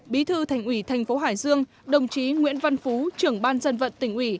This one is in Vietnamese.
bí thư thành ủy thành phố hải dương đồng chí nguyễn văn phú trưởng ban dân vận tỉnh ủy